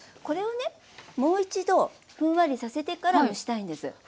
これをねもう一度ふんわりさせてから蒸したいんです。